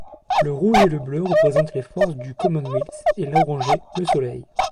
Le rouge et le bleu représentent les Forces du Commonwealth et l'orangé le soleil.